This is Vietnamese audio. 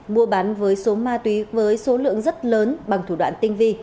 mua bán với số ma túy với số lượng rất lớn bằng thủ đoạn tinh vi